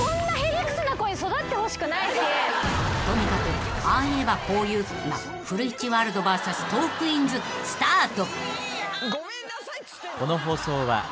［とにかくああ言えばこう言うな古市ワールドＶＳトークィーンズスタート］